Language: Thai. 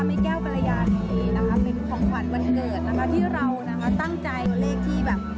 เป็นของขวัญวันเกิดนะคะที่เรานะคะตั้งใจเลขที่แบบ